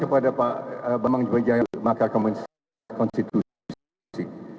kepada pak bambang wijayanto makamah konstitusi